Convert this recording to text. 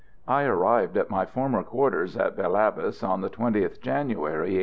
I arrived at my former quarters in Bel Abbes on the 20th January, 1891.